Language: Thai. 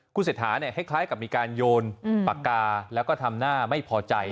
คุณเศรษฐาเนี่ยคล้ายกับมีการโยนปากกาแล้วก็ทำหน้าไม่พอใจ